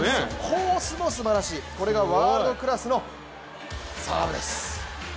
コースもすばらしい、これがワールドクラスのサーブです。